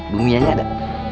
bumi aja ada